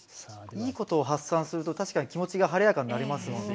いいことを発散すると確かに気持ちが晴れやかになりますもんね。